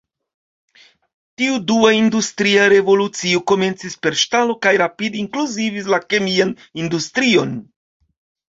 Tiu "dua" industria revolucio komencis per ŝtalo kaj rapide inkluzivis la kemian industrion.